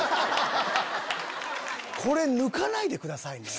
これ抜かないでくださいね。